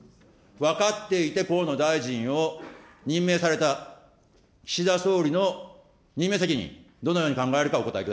分かっていて河野大臣を任命された岸田総理の任命責任、どのように考えるか、お答え